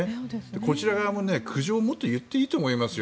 こちら側も苦情をもっと言っていいと思いますよ。